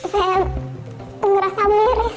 saya merasa miris